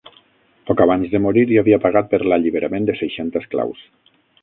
Poc abans de morir ja havia pagat per l'alliberament de seixanta esclaus.